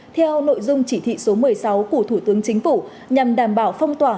theo nội dung chỉ thị số một mươi sáu của thủ tướng chính phủ nhằm đảm bảo phong tỏa